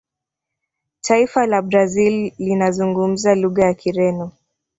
taifa la brazil linazungumza lugha ya kireno